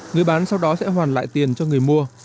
người bán sau đó sẽ hoàn lại tiền cho người mua